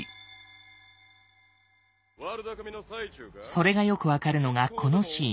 それがよく分かるのがこのシーン。